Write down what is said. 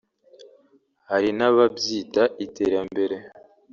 hari n’ababyita iterambere